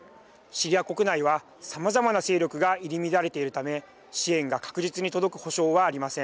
シリア国内は、さまざまな勢力が入り乱れているため支援が確実に届く保証はありません。